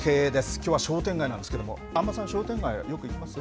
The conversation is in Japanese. きょうは商店街なんですけれども、安間さん、商店街はよく行きます？